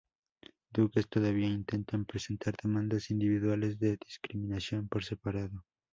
Dukes, todavía intentan presentar demandas individuales de discriminación por separado.